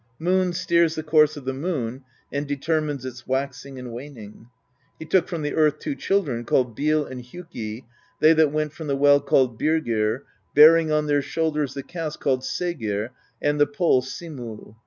Moon steers the course of the moon, and determines its waxing and waning. He took from the earth two children, called Bil and Hjuki, they that went from the well called Byrgir, bearing on their shoulders the cask called Saegr, and the pole Simul.